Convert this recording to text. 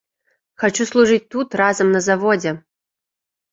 Хачу служыць тут, разам на заводзе!